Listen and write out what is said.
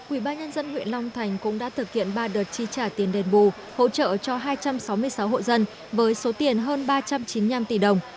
ubnd huyện long thành cũng đã thực hiện ba đợt chi trả tiền đền bù hỗ trợ cho hai trăm sáu mươi sáu hộ dân với số tiền hơn ba trăm chín mươi năm tỷ đồng